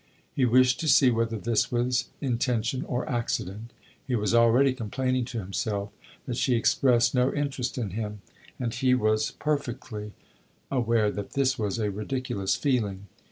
He wished to see whether this was intention or accident. He was already complaining to himself that she expressed no interest in him, and he was perfectly aware that this was a ridiculous feeling.